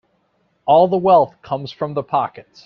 All the wealth comes from the pockets.